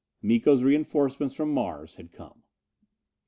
Miko's reinforcements from Mars had come.